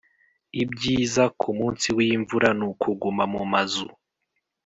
ibyiza kumunsi wimvura nukuguma mumazu.